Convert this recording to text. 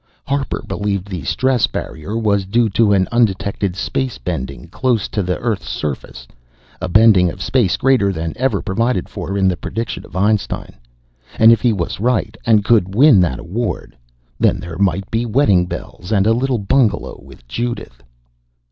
Harper believed the "stress barrier" was due to an undetected space bending close to the earth's surface, a bending of space greater than ever provided for in the prediction of Einstein. And if he was right, and could win that award, then there might be wedding bells, and a little bungalow with Judith....